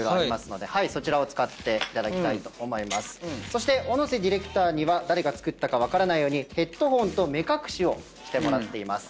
そして小野瀬ディレクターには誰が作ったか分からないようにヘッドホンと目隠しをしてもらっています。